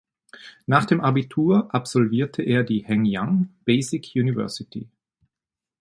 Nach dem Abitur absolvierte er die Hengyang Basic University.